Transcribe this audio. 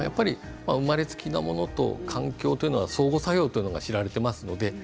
生まれつきのものとか環境というのは相互作用が知られています。